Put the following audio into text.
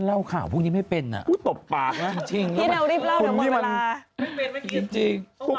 อเล็กพอมีเวลานี้